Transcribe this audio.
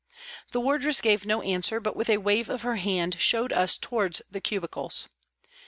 The wardress gave no answer, but with a wave of her hand showed us towards the cubicles.